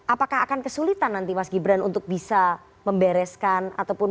apakah akan kesulitan nanti mas gibran untuk bisa mengembangkan mas jokowi